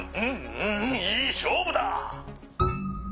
うんいいしょうぶだ！」。